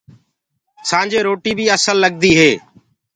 سآنجي روٽي بي اسل لگدي هي۔